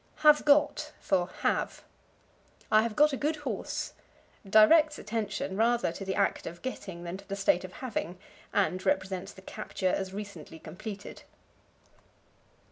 Have Got for Have. "I have got a good horse" directs attention rather to the act of getting than to the state of having, and represents the capture as recently completed.